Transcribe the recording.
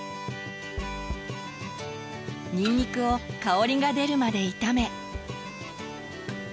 にんにくを香りが出るまで炒め。